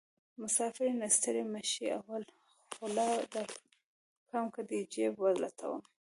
مسافرۍ نه ستړی مشې اول خوله درکړم که دې جېب ولټومه